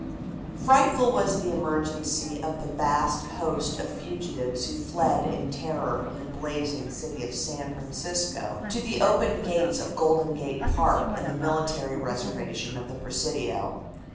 Frightful was the emergency of the vast host of fugitives who fled in terror from the blazing city of San Francisco to the open gates of Golden Gate Park and the military reservation of the Presidio.